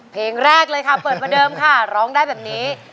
เพลงแรกเลยค่ะเปิดประเดิมค่ะร้องได้แบบนี้